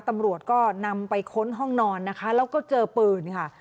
ตำรวจก็นำไปค้นห้องนอนนะคะแล้วก็เจอปืนค่ะ